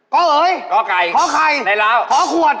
ก้อเอ๋ยข้อไข่ยันต์แล้วข้อไข่ของขวด